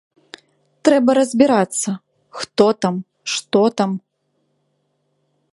Трэба разбірацца, хто там, што там.